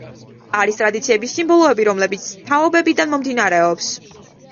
არის ტრადიციების სიმბოლოები, რომლებიც თაობებიდან მომდინარეობს.